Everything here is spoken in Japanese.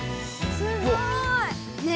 すごい！ねえ。